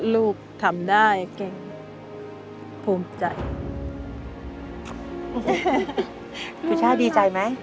ลูกทำได้เก่งภูมิใจ